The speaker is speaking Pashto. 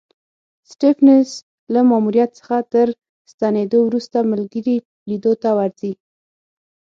سټېفنس له ماموریت څخه تر ستنېدو وروسته ملګري لیدو ته ورځي.